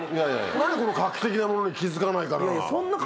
何でこの画期的なものに気付かないかな。